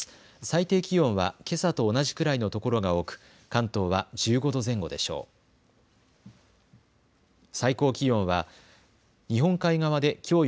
最低気温はけさと同じくらいの所が多く関東は１５度前後でしょう。